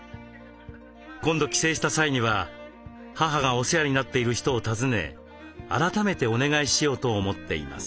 今度帰省した際には母がお世話になっている人を訪ね改めてお願いしようと思っています。